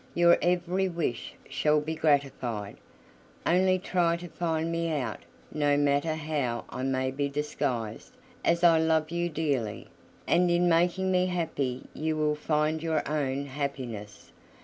Your every wish shall be gratified. Only try to find me out, no matter how I may be disguised, as I love you dearly, and in making me happy you will find your own happiness.